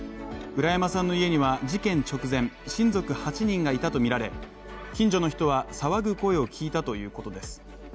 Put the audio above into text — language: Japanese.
浦山さんの家には事件直前、親族８人がいたとみられ近所の人は、騒ぐ声を聞いたということです。